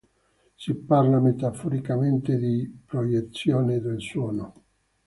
Si parla metaforicamente di “proiezione del suono”.